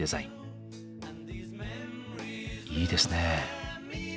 いいですね。